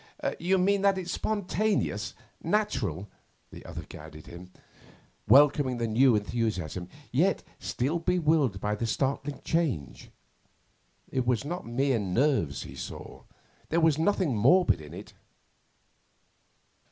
'You mean that it's spontaneous, natural?' the other guided him, welcoming the new enthusiasm, yet still bewildered by the startling change. It was not mere nerves he saw. There was nothing morbid in it.